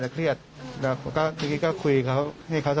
มาให้ปากคำเลื่อนจากเวลาติดข้าง